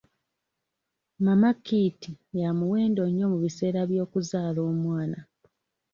Mama kit ya muwendo nnyo mu biseera by'okuzaala omwana.